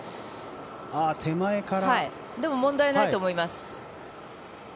手前から、でも問題ないと思います。